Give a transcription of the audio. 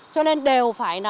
cho nên đều phải là